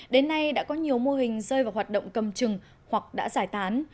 đến nay đã có nhiều mô hình rơi vào hoạt động cầm chừng hoặc đã giải tán